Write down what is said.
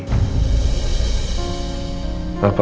apakah gue siapkan